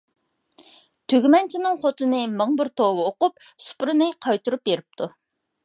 تۈگمەنچىنىڭ خوتۇنى مىڭ بىر توۋا ئوقۇپ، سۇپرىنى قايتۇرۇپ بېرىپتۇ.